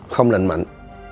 không lạnh mạnh